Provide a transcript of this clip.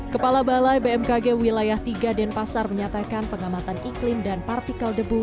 kepala balai bmkg wilayah tiga denpasar menyatakan pengamatan iklim dan partikel debu